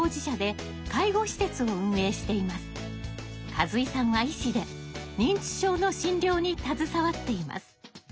數井さんは医師で認知症の診療に携わっています。